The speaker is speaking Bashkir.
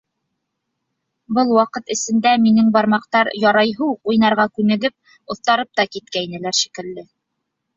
Был ваҡыт эсендә минең бармаҡтар ярайһы уҡ уйнарға күнегеп, оҫтарып та киткәйнеләр шикелле.